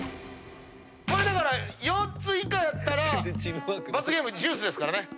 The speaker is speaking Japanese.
これ４つ以下やったら罰ゲームジュースですからね。